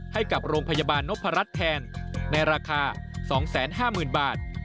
ให้กับโรงพยาบาลนพรัชแทนในราคา๒๕๐๐๐บาท